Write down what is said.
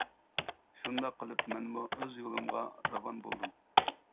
شۇنداق قىلىپ مەنمۇ ئۆز يولۇمغا راۋان بولدۇم.